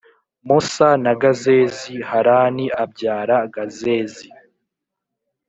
Mosa na Gazezi Harani abyara Gazezi